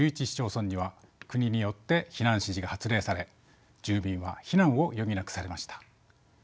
市町村には国によって避難指示が発令され住民は避難を余儀なくされました。